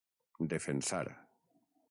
Defensar